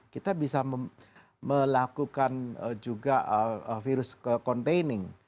kita bisa melakukan juga virus containing